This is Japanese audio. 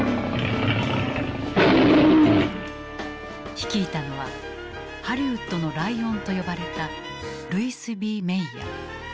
率いたのは「ハリウッドのライオン」と呼ばれたルイス・Ｂ・メイヤー。